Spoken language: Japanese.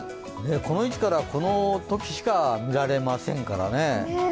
この位置からこの時しか見られませんからね。